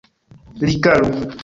Likalu!